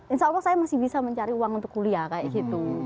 insya allah saya masih bisa mencari uang untuk kuliah kayak gitu